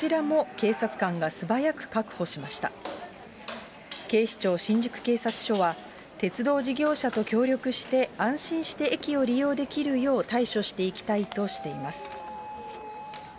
警視庁新宿警察署は、鉄道事業者と協力して、安心して駅を利用できるよう対処していきたいとしています。